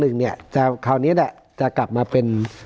หนึ่งเนี่ยคราวนี้แหละจะกลับมาเป็น